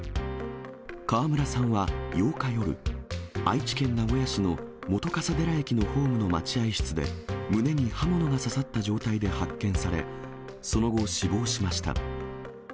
川村さんは８日夜、愛知県名古屋市の本笠寺駅のホームの待合室で、胸に刃物が刺さった状態で発見され、その後、死亡しました。